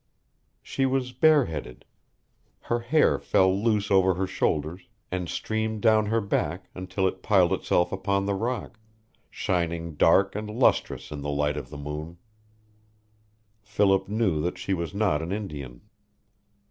She was bareheaded. Her hair fell loose over her shoulders and streamed down her back until it piled itself upon the rock, shining dark and lustrous in the light of the moon. Philip knew that she was not an Indian.